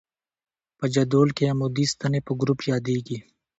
په جدول کې عمودي ستنې په ګروپ یادیږي.